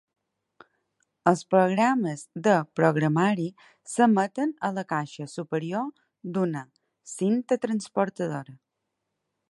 Els programes de programari s'emeten a la caixa superior d'una "cinta transportadora".